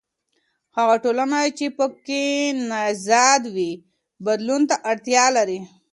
هغه ټولنه چې په کې تضاد وي بدلون ته اړتیا لري.